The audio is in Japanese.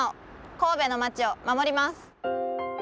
神戸の町を守ります！